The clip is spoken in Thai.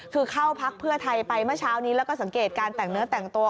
คือเข้าพักเพื่อไทยไปเมื่อเช้านี้แล้วก็สังเกตการแต่งเนื้อแต่งตัว